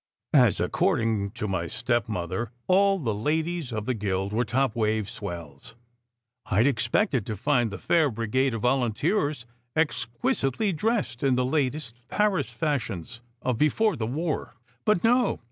As, according to my stepmother, all the ladies of the guild were "top wave swells," I d expected to find the fair brigade of volunteers exquisitely dressed in the latest Paris fashions of "before the war." But no!